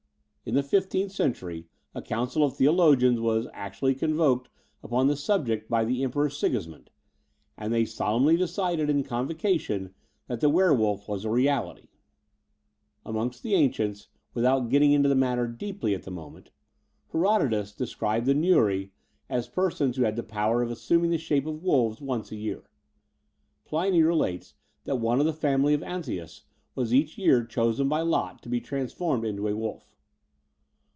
" In the fifteenth century a council of theologians was actually convoked upon the subject by the Emperor Sigismund; and they solemnly decided in convocation that the werewolf was a reality. Between London and Clymptng 189 Amongst the ancients — without going into the matter deeply at the moment — Herodotus de scribes the Neuri as persons who had the power of assuming the shape of wolves once a year. Pliny relates that one of the family of Antaeus was each year chosen by lot to be transformed into a wolf.